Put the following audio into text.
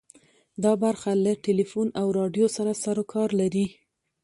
دا برخه له ټلیفون او راډیو سره سروکار لري.